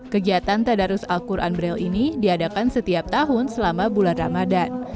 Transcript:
kegiatan tadarus al quran braille ini diadakan setiap tahun selama bulan ramadan